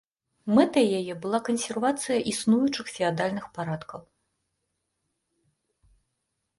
Мэтай яе была кансервацыя існуючых феадальных парадкаў.